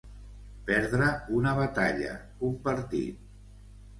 Perdre una batalla, un partit.